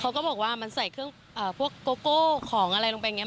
เขาก็บอกว่ามันใส่เครื่องพวกโกโก้ของอะไรลงไปอย่างนี้